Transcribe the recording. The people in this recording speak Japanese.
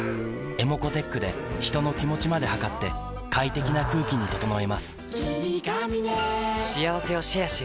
ｅｍｏｃｏーｔｅｃｈで人の気持ちまで測って快適な空気に整えます